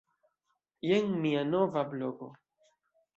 Jen mia nova blogo.